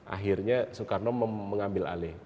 akhirnya soekarno mengambil alih